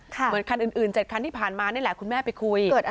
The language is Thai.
เหมือนคันอื่น๗คันที่ผ่านมานี่แหละคุณแม่ไปคุย